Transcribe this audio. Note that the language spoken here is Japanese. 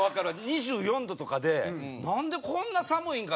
２４度とかでなんでこんな寒いんかな？